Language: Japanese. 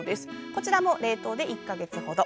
こちらも冷凍で１か月ほど。